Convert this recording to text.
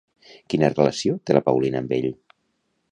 Quina relació té la Paulina amb ell?